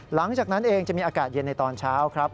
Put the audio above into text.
หลังจากนั้นเองจะมีอากาศเย็นในตอนเช้าครับ